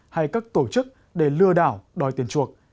hay các tổ chức để lừa đảo đòi tiền chuộc